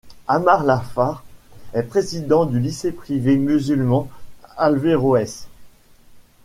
Amar Lasfar est président du lycée privé musulman Averroès.